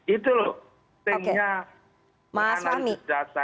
itu loh pentingnya menganalisis data